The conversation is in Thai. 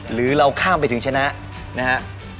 หรือเราข้ามไปถึงชนะนะฮะ